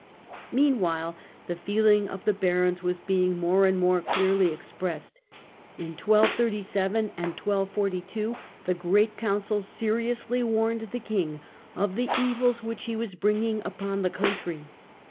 Meanwhile the feeling of the barons was being more and more clearly expressed. In 1 237 and 1 242 the great coun cil seriously warned the king of the evils which The Barons he was bringing upon the country.